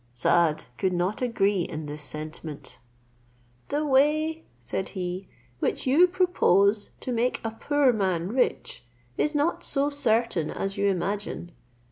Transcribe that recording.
Saad could not agree in this sentiment: "The way," said he, "which you propose to make a poor man rich, is not so certain as you imagine.